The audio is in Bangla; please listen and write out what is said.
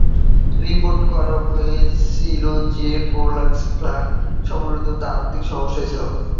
রিপোর্ট করা হয়েছিল যে পোপলার ব্লাফ ফ্র্যাঞ্চাইজি আর্থিক সমস্যায় ছিল।